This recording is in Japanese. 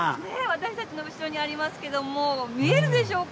私たちの後ろにありますけども、見えるでしょうか。